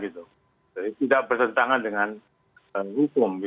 tidak bersentangan dengan hukum